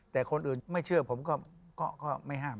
แต่คนอื่นไม่เชื่อผมก็ไม่ห้าม